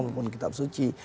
maupun kitab suci